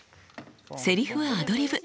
セリフはアドリブ。